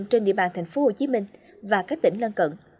trên địa bàn thành phố hồ chí minh và các tỉnh lân cận